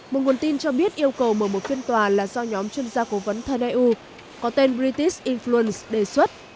một nguồn tin cho biết yêu cầu mở một phiên tòa là do nhóm chuyên gia cố vấn thân eu có tên british influence đề xuất